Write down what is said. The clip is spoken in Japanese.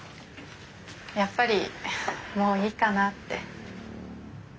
やっぱりもういいかなって。